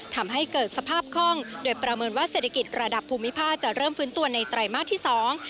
ทำให้เกิดสภาพคล่องโดยประเมินว่าเศรษฐกิจระดับภูมิภาคจะเริ่มฟื้นตัวในไตรมาสที่สอง